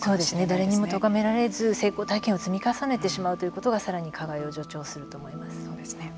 誰にもとがめられず成功体験を積み重ねてしまうことがさらに加害を助長すると思います。